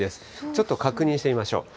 ちょっと確認してみましょう。